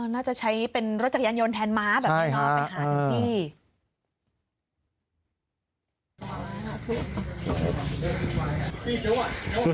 น่าจะใช้เป็นรถจักยานโยนแทนมาอยู่นอกไปหาทำไม